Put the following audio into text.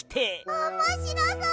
おもしろそう！